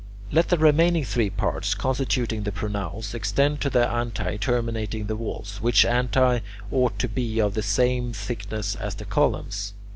Let the remaining three parts, constituting the pronaos, extend to the antae terminating the walls, which antae ought to be of the same thickness as the columns.